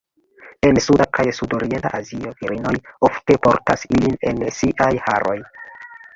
En suda kaj sudorienta Azio, virinoj ofte portas ilin en siaj haroj.